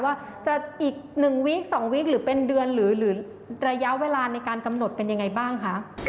ว่าจะอีก๑วีค๒วีคหรือเป็นเดือนหรือระยะเวลาในการกำหนดเป็นยังไงบ้างคะ